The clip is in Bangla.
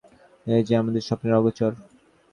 এ যে আমাদের স্বপ্নের আগোচর!